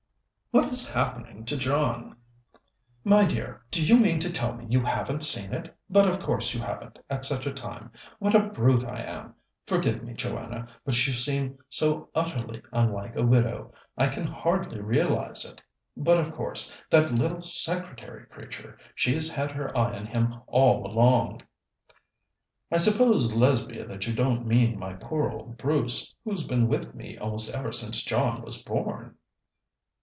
"What is happening to John?" "My dear, do you mean to tell me you haven't seen it? But of course you haven't, at such a time. What a brute I am! Forgive me, Joanna, but you seem so utterly unlike a widow. I can hardly realize it. But, of course, that little secretary creature she's had her eye on him all along." "I suppose, Lesbia, that you don't mean my poor old Bruce, who's been with me almost ever since John was born?"